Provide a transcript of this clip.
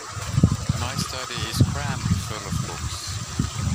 My study is crammed full of books.